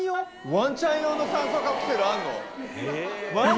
ワンちゃん用の酸素カプセルあんの？